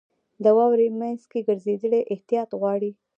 • د واورې مینځ کې ګرځېدل احتیاط غواړي.